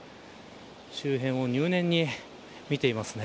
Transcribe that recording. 周辺を入念に見ていますね。